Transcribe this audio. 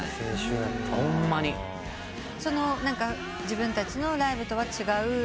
自分たちのライブとは違う。